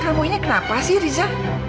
kamu ini kenapa sih rizah